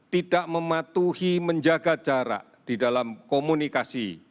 tidak mematuhi menjaga jarak di dalam komunikasi